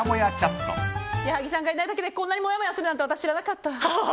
矢作さんがいないだけでこんなにもやもやするなんて私、知らなかった。